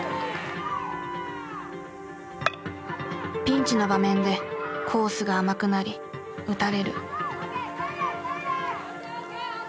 ピンチの場面でコースが甘くなり打たれる。